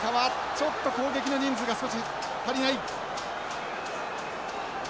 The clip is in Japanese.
ちょっと攻撃の人数が少し足りない。